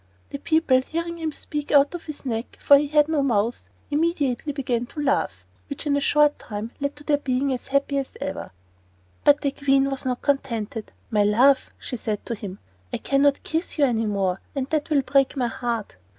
The people, hearing him speak out of his neck (for he had no mouth), immediately began to laugh, which in a short time led to their being as happy as ever. But the Queen was not contented. "My love," she said to him, "I can not kiss you any more, and that will break my heart."